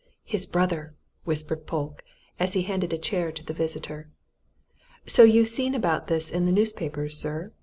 "His brother!" whispered Polke, as he handed a chair to the visitor. "So you've seen about this in the newspapers, sir?"